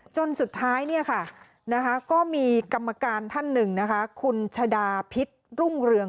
จนสุดท้ายก็มีกรรมการท่านหนึ่งนะคะคุณชะดาพิษรุ่งเรือง